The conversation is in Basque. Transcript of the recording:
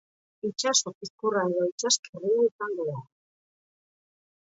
Itsaso kizkurra edo itsaskirria izango da.